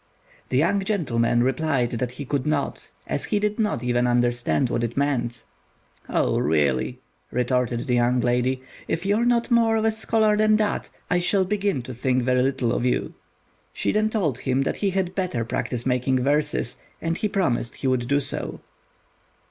The young gentleman replied that he could not, as he did not even understand what it meant. "Oh, really," retorted the young lady, "if you're not more of a scholar than that, I shall begin to think very little of you." She then told him he had better practice making verses, and he promised he would do so.